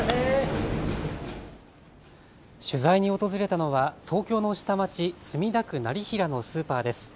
取材に訪れたのは東京の下町、墨田区業平のスーパーです。